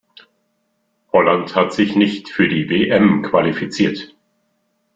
Holland hat sich nicht für die WM qualifiziert.